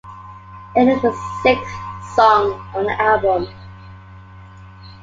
It is the sixth song on the album.